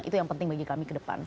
itu yang penting bagi kami ke depan